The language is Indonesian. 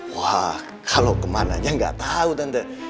wah kalo kemananya gak tau tante